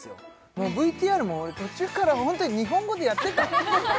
もうＶＴＲも途中からホントに日本語でやってた？